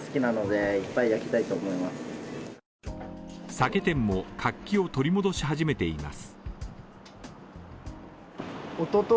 酒店も活気を取り戻し始めています。